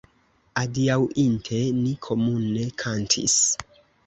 Adiaŭinte ni komune kantis.